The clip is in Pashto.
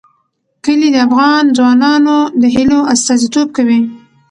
کلي د افغان ځوانانو د هیلو استازیتوب کوي.